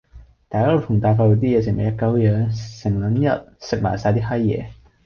大家樂同埋大快活啲嘢食咪一鳩樣，成撚日食埋晒啲閪野